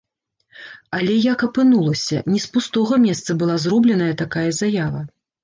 Але як апынулася, не з пустога месца была зробленая такая заява.